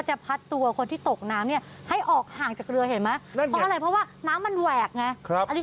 จากการทดสอบจะเห็นน้ำก็ตกลงไปในน้ำแล้วเนี่ย